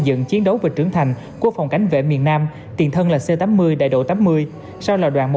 dựng chiến đấu về trưởng thành của phòng cảnh vệ miền nam tiền thân là c tám mươi đại độ tám mươi sau là đoạn